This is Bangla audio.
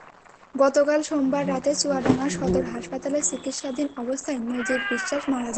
গতকাল সোমবার রাতে চুয়াডাঙ্গা সদর হাসপাতালে চিকিৎসাধীন অবস্থায় নজির বিশ্বাস মারা যান।